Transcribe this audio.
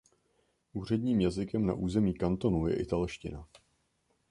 Úředním jazykem na území kantonu je italština.